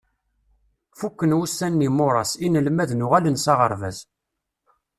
Fukken wussan n yimuras, inelmaden uɣalen s aɣerbaz.